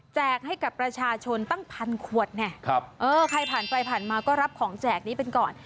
ให้กับประชาชนตั้งพันขวดเนี่ยเออใครผ่านไปผ่านมาก็รับของแจกนี้เป็นก่อน